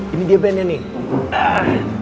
ini dia bandnya nih